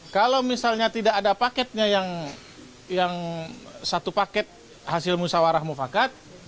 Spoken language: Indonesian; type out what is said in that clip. kalau misalnya tidak ada paketnya yang satu paket hasil musawarah mufakat